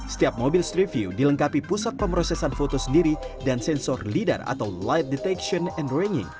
setiap mobil street view dilengkapi pusat pemrosesan foto sendiri dan sensor leader atau light detection and raining